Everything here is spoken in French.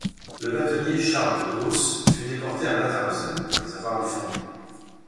Le bâtonnier Charles Bedos, fut déporté à Mauthausen pour les avoir défendus.